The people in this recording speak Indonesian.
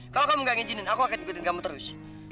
kalau kamu gak ngijinin aku akan ikutin kamu terus